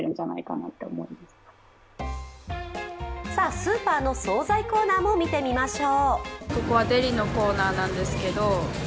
スーパーの総菜コーナーも見てみましょう。